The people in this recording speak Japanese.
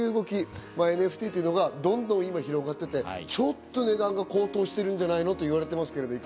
ＮＦＴというのが今、どんどん広がって、ちょっと値段が高騰してるんじゃないのと言われてますけど。